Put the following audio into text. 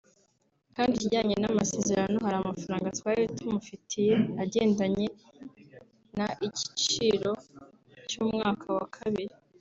Kandi ikijyanye n’ amasezerano hari amafaranga twari tumufitiye agendanye na ikiciro c y’ umwaka wa kabiri